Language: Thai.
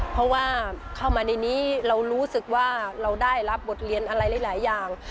เพราะว่าเข้ามาในนี้เรารู้สึกว่าเราได้รับบทเรียนอะไรหลายอย่าง